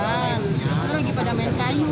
lagi pada main kayu